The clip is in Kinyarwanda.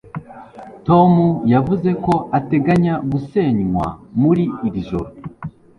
tom yavuze ko ateganya gusenywa muri iri joro